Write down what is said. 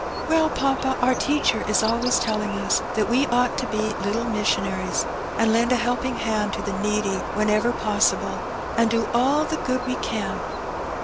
"Well, papa, our teacher is always telling ns that we ought to be little missionaries, and lend a helping hand to the needy whenever possible, and do all the good we cim."